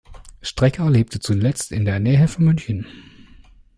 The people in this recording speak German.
Strecker lebte zuletzt in der Nähe von München.